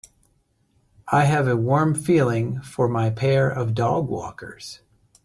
I have a warm feeling for my pair of dogwalkers.